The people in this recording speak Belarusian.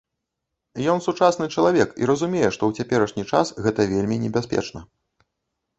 Ён сучасны чалавек і разумее, што ў цяперашні час гэта вельмі небяспечна.